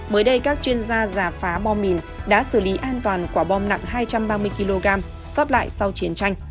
mới đây các chuyên gia giả phá bom mìn đã xử lý an toàn quả bom nặng hai trăm ba mươi kg xót lại sau chiến tranh